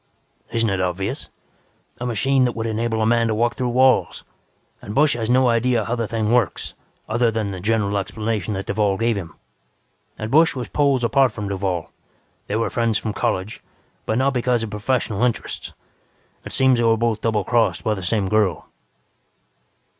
"Isn't it obvious? A machine that would enable a man to walk through walls. And Busch has no idea how the thing works, other than the general explanation that Duvall gave him. And Busch was poles apart from Duvall. They were friends from college, but not because of professional interests. It seems they were both doublecrossed by the same girl.